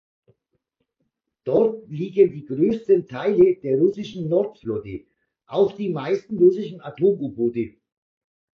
Dort liegen die größten Teile der russischen Nordflotte, auch die meisten russischen Atom-U-Boote.